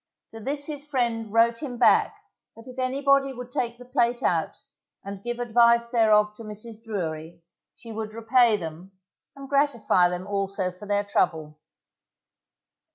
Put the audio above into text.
To this his friend wrote him back that if anybody would take the plate out, and give advice thereof to Mrs. Drury, she would repay them, and gratify them also for their trouble.